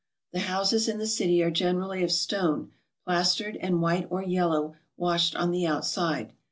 The houses in the city are generally of stone, plastered, and white or yel low washed on the outside.